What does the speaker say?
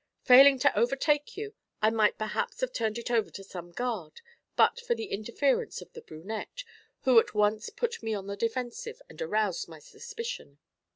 Failing to overtake you, I might perhaps have turned it over to some guard but for the interference of the brunette, who at once put me on the defensive and aroused my suspicion.